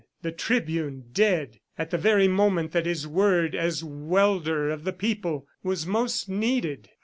The tribune dead, at the very moment that his word as welder of the people was most needed!